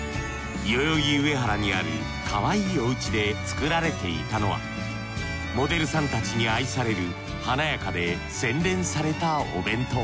代々木上原にあるかわいいお家で作られていたのはモデルさんたちに愛される華やかで洗練されたお弁当。